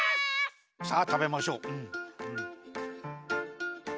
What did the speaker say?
さあ食べましょう。